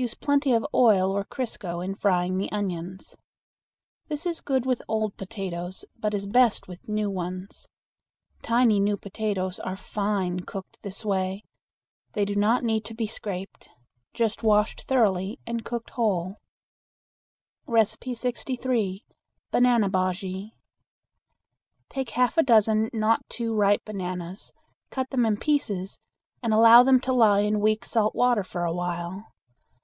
Use plenty of oil or crisco in frying the onions. This is good with old potatoes, but is best with new ones. Tiny new potatoes are fine cooked in this way. They do not need to be scraped. Just washed thoroughly and cooked whole. 63. Banana Bujea. Take half a dozen not too ripe bananas, cut them in pieces, and allow them to lie in weak salt water for a while.